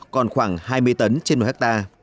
còn khoảng hai tỷ đồng